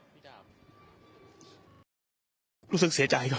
ปี๖๕วันเช่นเดียวกัน